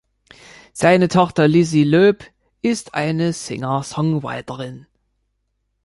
Seine Tochter Lizzy Loeb ist eine Singer-Songwriterin.